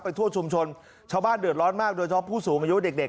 ทั่วชุมชนชาวบ้านเดือดร้อนมากโดยเฉพาะผู้สูงอายุเด็กเด็ก